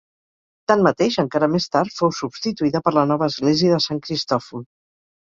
Tanmateix, encara més tard fou substituïda per la nova església de Sant Cristòfol.